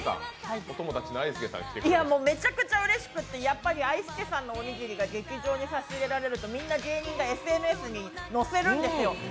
めちゃくゃちうれしくて、あいすけさんのおにぎりが劇場に差し入れられると芸人がみんなＳＮＳに載せるんですよ。